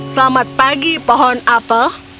selamat pagi pohon apel